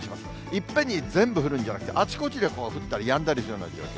いっぺんに全部降るんじゃなくて、あちこちで降ったりやんだりするような状況。